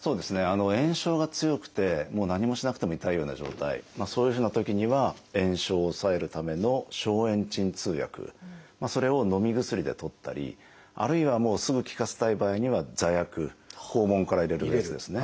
炎症が強くてもう何もしなくても痛いような状態そういうふうなときには炎症を抑えるための消炎鎮痛薬それをのみ薬でとったりあるいはもうすぐ効かせたい場合には座薬肛門から入れるやつですね。